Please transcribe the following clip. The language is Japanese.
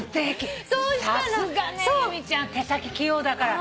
さすがね由美ちゃん手先器用だから。